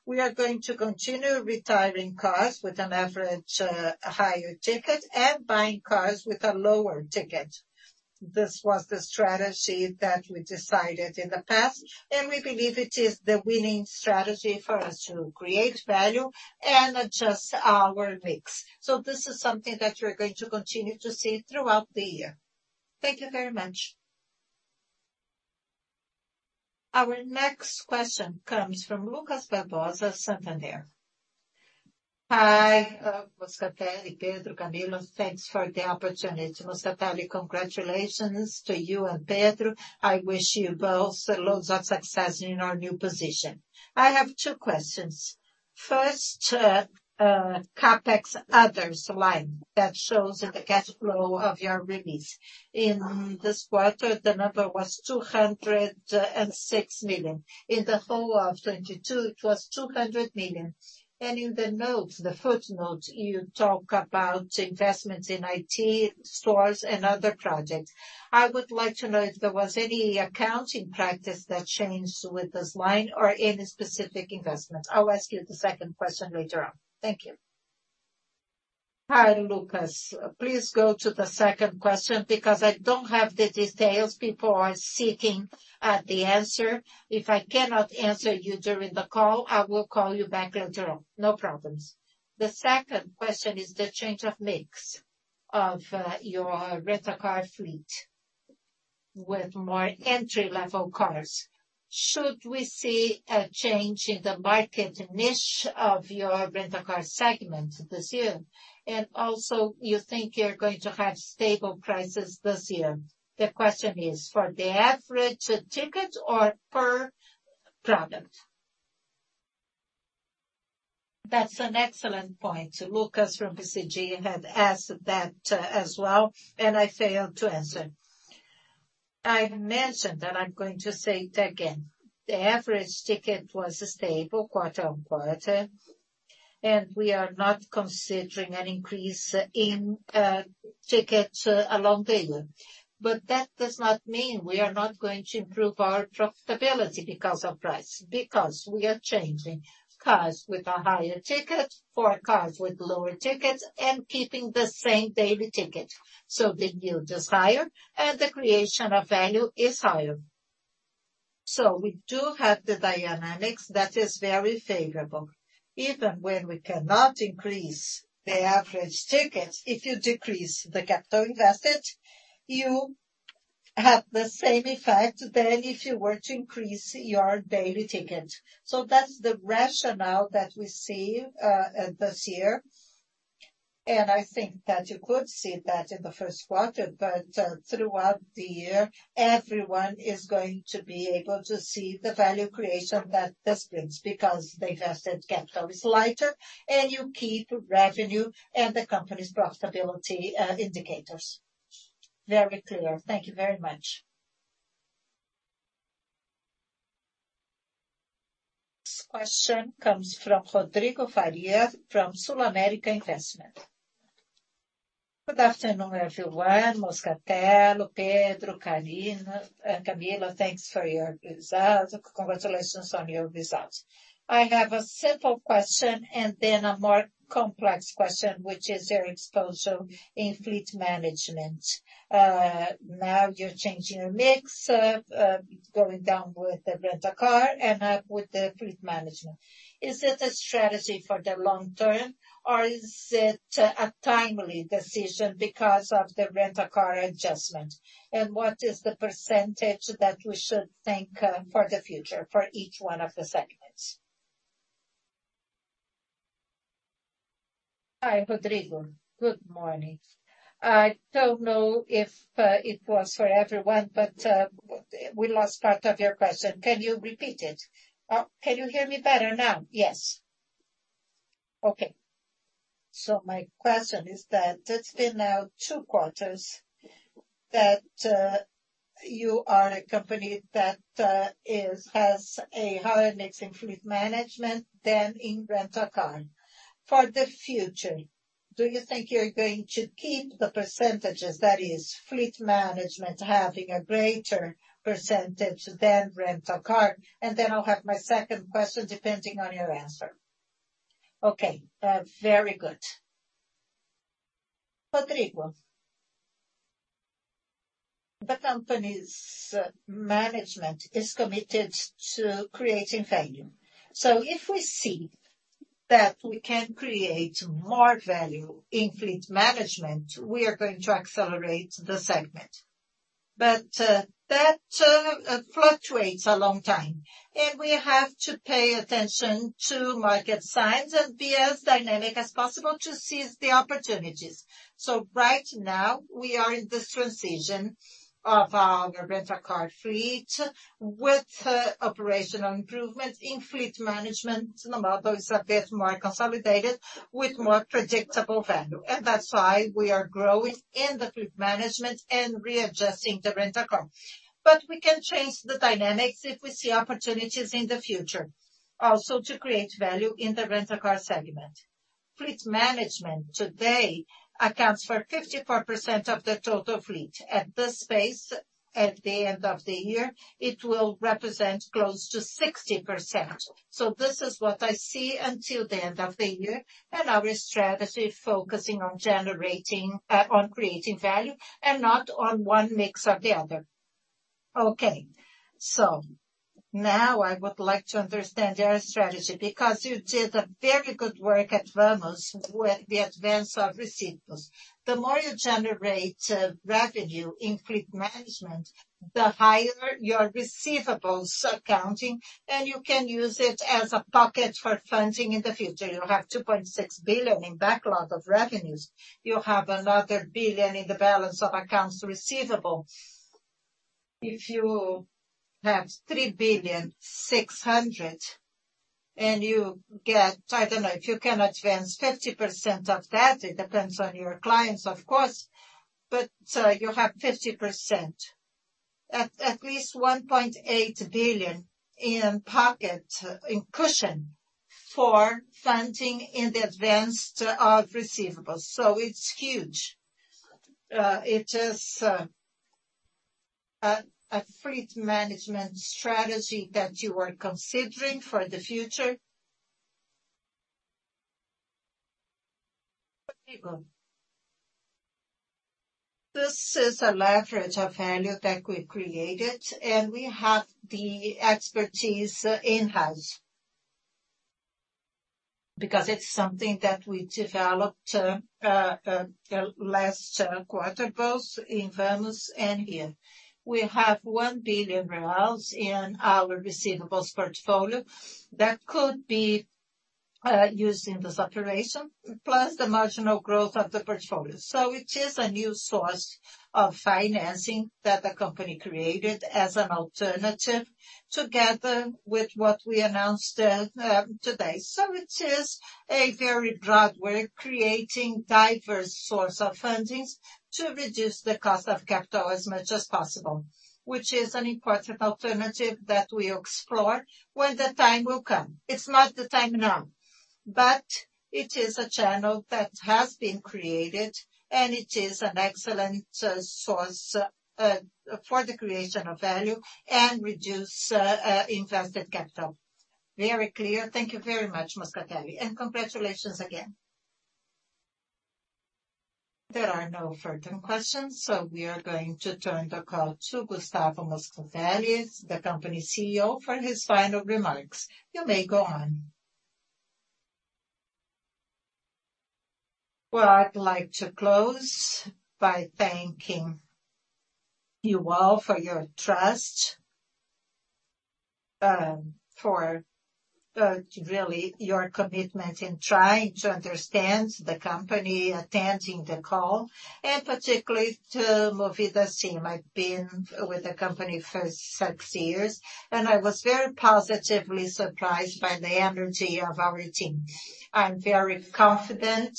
We are going to continue retiring cars with an average higher ticket and buying cars with a lower ticket. This was the strategy that we decided in the past, and we believe it is the winning strategy for us to create value and adjust our mix. This is something that you're going to continue to see throughout the year. Thank you very much. Our next question comes from Lucas Barbosa, Santander. Hi, Moscatelli, Pedro, Camila. Thanks for the opportunity. Moscatelli, congratulations to you and Pedro. I wish you both loads of success in your new position. I have 2 questions. First, CapEx others line that shows in the cash flow of your release. In this quarter, the number was 206 million. In the whole of 2022 it was 200 million. In the notes, the footnotes, you talk about investments in IT, stores, and other projects. I would like to know if there was any accounting practice that changed with this line or any specific investment. I'll ask you the second question later on. Thank you. Hi, Lucas. Please go to the second question because I don't have the details. People are seeking the answer. If I cannot answer you during the call, I will call you back later on. No problems. The second question is the change of mix of your Rent a Car fleet with more entry-level cars. Should we see a change in the market niche of your Rent a Car segment this year? Also, you think you're going to have stable prices this year. The question is, for the average ticket or per product? That's an excellent point. Lucas from BCG had asked that as well. I failed to answer. I mentioned, I'm going to say it again, the average ticket was stable quarter-on-quarter. We are not considering an increase in tickets along the year. That does not mean we are not going to improve our profitability because of price, because we are changing cars with a higher ticket for cars with lower tickets, keeping the same daily ticket. The yield is higher, the creation of value is higher. We do have the dynamics that is very favorable. Even when we cannot increase the average ticket, if you decrease the capital invested, you have the same effect than if you were to increase your daily ticket. That's the rationale that we see this year. I think that you could see that in the first quarter, but throughout the year, everyone is going to be able to see the value creation that this brings because the invested capital is lighter and you keep revenue and the company's profitability indicators. Very clear. Thank you very much. This question comes from Rodrigo Faria from SulAmérica Investimentos. Good afternoon, everyone, Moscatelli, Pedro, Carina, Camila, thanks for your results. Congratulations on your results. I have a simple question and then a more complex question, which is your exposure in fleet management. Now you're changing your mix of going down with the Rent a Car and up with the fleet management. Is it a strategy for the long term or is it a timely decision because of the Rent a Car adjustment? What is the percentage that we should think for the future for each one of the segments? Hi, Rodrigo. Good morning. I don't know if it was for everyone, we lost part of your question. Can you repeat it? Can you hear me better now? Yes. Okay. My question is that it's been now two quarters that you are a company that has a higher mix in fleet management than in Rent a Car. For the future, do you think you're going to keep the %, that is fleet management having a greater % than Rent a Car? I'll have my second question depending on your answer. Okay. Very good. Rodrigo. The company's management is committed to creating value. If we see that we can create more value in fleet management, we are going to accelerate the segment. That fluctuates a long time, and we have to pay attention to market signs and be as dynamic as possible to seize the opportunities. Right now, we are in this transition of the Rent a Car fleet with operational improvements in fleet management. The model is a bit more consolidated with more predictable value. That's why we are growing in the fleet management and readjusting the Rent a Car. We can change the dynamics if we see opportunities in the future also to create value in the Rent a Car segment. Fleet management today accounts for 54% of the total fleet. At this pace, at the end of the year, it will represent close to 60%. This is what I see until the end of the year and our strategy focusing on creating value and not on one mix or the other. Okay. Now I would like to understand your strategy because you did a very good work at Vamos with the advance of receivables. The more you generate revenue in fleet management, the higher your receivables accounting, and you can use it as a pocket for funding in the future. You have 2.6 billion in backlog of revenues. You have another 1 billion in the balance of accounts receivable. If you have 3.6 billion and you get, I don't know, if you can advance 50% of that, it depends on your clients, of course, but you have 50%. At least 1.8 billion in cushion for funding in the advanced receivables. It's huge. It is a fleet management strategy that you are considering for the future. This is a leverage of value that we created, and we have the expertise in-house because it's something that we developed the last quarter, both in Vamos and here. We have 1 billion reais in our receivables portfolio that could be used in this operation, plus the marginal growth of the portfolio. It is a new source of financing that the company created as an alternative together with what we announced today. It is a very broad way of creating diverse source of fundings to reduce the cost of capital as much as possible, which is an important alternative that we explore when the time will come. It's not the time now, but it is a channel that has been created, and it is an excellent source for the creation of value and reduce invested capital. Very clear. Thank you very much, Moscatelli. Congratulations again. There are no further questions. We are going to turn the call to Gustavo Moscatelli, the company CEO, for his final remarks. You may go on. I'd like to close by thanking you all for your trust, for really your commitment in trying to understand the company, attending the call, and particularly to Movida's team. I've been with the company for six years, and I was very positively surprised by the energy of our team. I'm very confident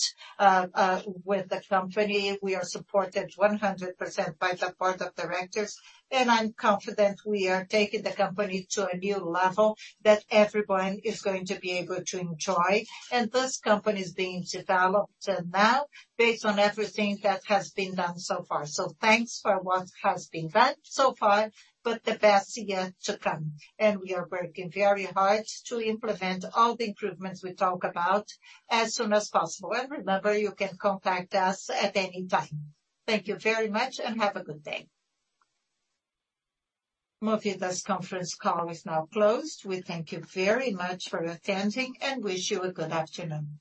with the company. We are supported 100% by the board of directors, and I'm confident we are taking the company to a new level that everyone is going to be able to enjoy. This company is being developed now based on everything that has been done so far. Thanks for what has been done so far, but the best is yet to come. We are working very hard to implement all the improvements we talk about as soon as possible. Remember, you can contact us at any time. Thank you very much and have a good day. Movida's conference call is now closed. We thank you very much for attending and wish you a good afternoon.